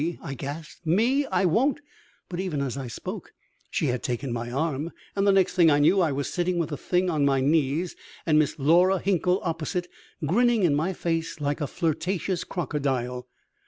I gasped. "Me! I won't " but even as I spoke she had taken my arm, and the next thing I knew I was sitting with the thing on my knees and Miss Laura Hinkle opposite, grinning in my face like a flirtatious crocodile.